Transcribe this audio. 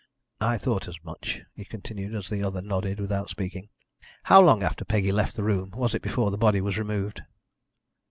I thought as much," he continued, as the other nodded without speaking. "How long after Peggy left the room was it before the body was removed?"